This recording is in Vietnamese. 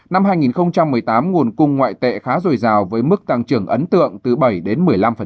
năm hai nghìn một mươi tám nguồn cung ngoại tệ khá dồi dào với mức tăng trưởng ấn tượng từ bảy đến một mươi năm